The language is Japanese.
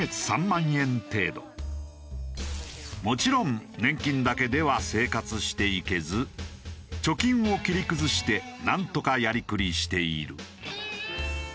もちろん年金だけでは生活していけず貯金を切り崩してなんとかやりくりしている。